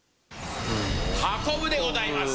「運ぶ」でございます